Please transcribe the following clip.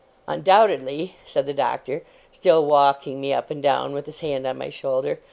Undoubtedly,' said the Doctor, still walking me up and down with his hand on my shoulder.